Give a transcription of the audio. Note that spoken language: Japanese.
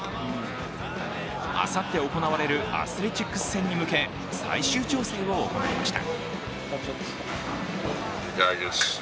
あさって行われるアスレチックス戦に向け、最終調整を行いました。